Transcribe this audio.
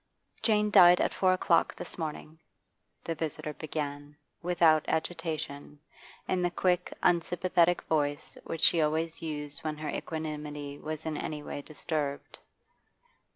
'Jane died at four o'clock this morning,' the visitor began, without agitation, in the quick, unsympathetic voice which she always used when her equanimity was in any way disturbed.